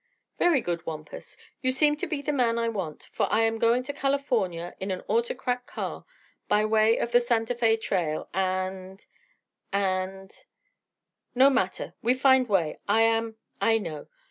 "Very good, Wampus. You seem to be the man I want, for I am going to California in an 'Autocrat' car, by way of the Santa Fe Trail and and " "No matter. We find way. I am " "I know.